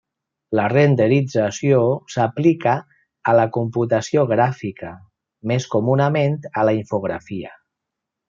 La renderització s'aplica a la computació gràfica, més comunament a la infografia.